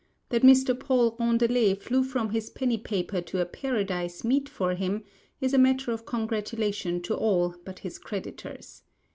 That Mr. Paul Rondelet flew from his penny paper to a Paradise meet for him is a matter of congratulation to all but his creditors.